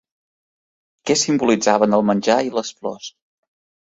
Què simbolitzaven el menjar i les flors?